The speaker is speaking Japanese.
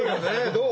どう？